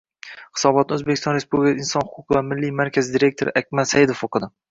Hisobotni O'zbekiston Respublikasi Inson huquqlari milliy markazi direktori Akmal Saidov o'qidi.